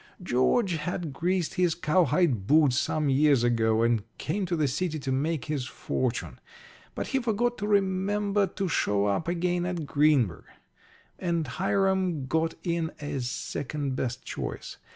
George had greased his cowhide boots some years ago, and came to the city to make his fortune. But he forgot to remember to show up again at Greenburg, and Hiram got in as second best choice.